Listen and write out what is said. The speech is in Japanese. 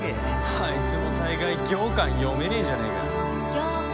あいつも大概ギョーカン読めねえじゃねえか。行間。